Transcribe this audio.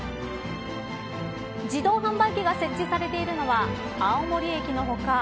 自動販売機が設置されているのは青森駅の他